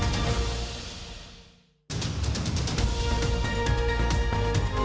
โปรดติดตามตอนต่อไป